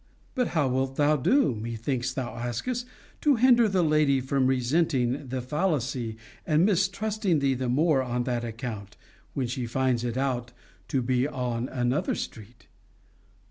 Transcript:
But how wilt thou do, methinks thou askest, to hinder the lady from resenting the fallacy, and mistrusting thee the more on that account, when she finds it out to be in another street?